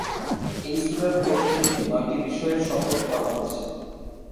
এই সূরার প্রথম দিকে নয়টি বিষয়ের শপথ করা হয়েছে।